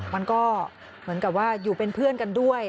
มันก็เหมือนกับว่าอยู่เป็นเพื่อนกันด้วย